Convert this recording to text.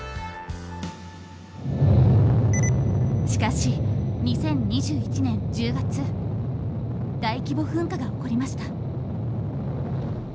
しかし２０２１年１０月大規模噴火が起こりました。